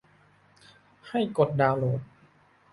ให้กดดาวน์โหลด